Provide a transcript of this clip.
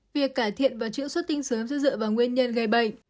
việc cải thiện và chữa sốt tinh sớm sẽ dựa vào nguyên nhân gây bệnh